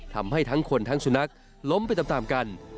ทำให้ทั้งคนทั้งสุนัขล้มไปตามกัน